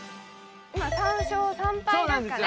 今３勝３敗ですかね